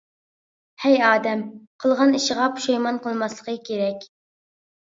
ھەي. ئادەم قىلغان ئىشىغا پۇشايمان قىلماسلىقى كېرەك.